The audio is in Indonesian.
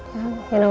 ya kamu tahu